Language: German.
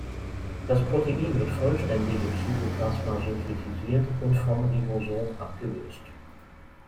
Das Protein wird vollständig im Cytoplasma synthetisiert und vom Ribosom abgelöst.